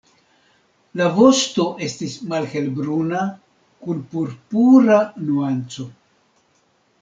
La vosto estis malhelbruna kun purpura nuanco.